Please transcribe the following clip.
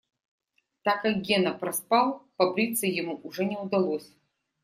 Так как Гена проспал, побриться ему уже не удалось.